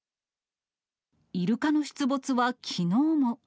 イルカの出没はきのうも。